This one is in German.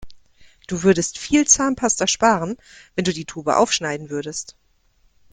Du würdest viel Zahnpasta sparen, wenn du die Tube aufschneiden würdest.